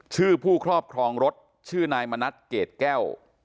ผู้ครอบครองรถชื่อนายมณัฐเกรดแก้ว